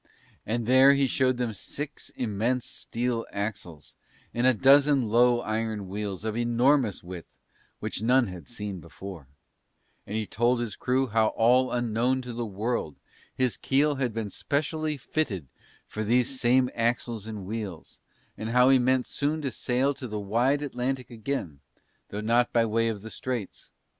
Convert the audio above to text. And there he showed them six immense steel axles and a dozen low iron wheels of enormous width which none had seen before; and he told his crew how all unknown to the world his keel had been specially fitted for these same axles and wheels, and how he meant soon to sail to the wide Atlantic again, though not by the way of the straits.